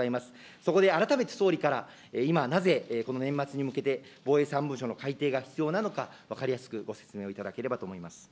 そこで改めて総理から、今、なぜ、この年末に向けて、防衛３文書の改定が必要なのか、分かりやすくご説明をいただければと思います。